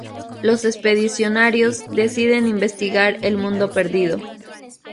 Los expedicionarios deciden investigar el mundo perdido.